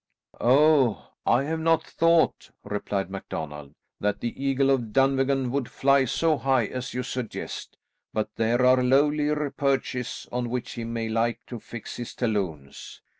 "Oh, I have no thought," replied MacDonald, "that the Eagle of Dunvegan would fly so high as you suggest, but there are lowlier perches on which he may like to fix his talons.